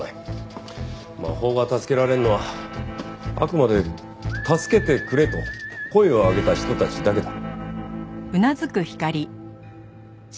法が助けられるのはあくまで「助けてくれ」と声を上げた人たちだけだ。